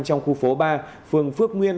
trong khu phố ba phường phước nguyên